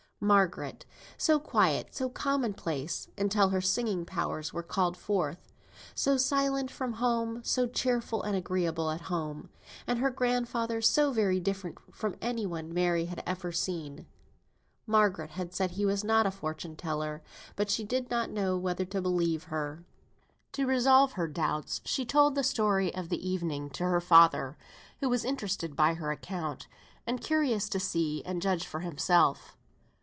Margaret, so quiet, so common place, until her singing powers were called forth; so silent from home, so cheerful and agreeable at home; and her grandfather so very different to any one Mary had ever seen. Margaret had said he was not a fortune teller, but she did not know whether to believe her. To resolve her doubts, she told the history of the evening to her father, who was interested by her account, and curious to see and judge for himself.